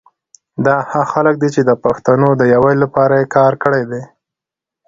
دا هغه خلګ دي چي د پښتونو د یوالي لپاره یي کار کړي دی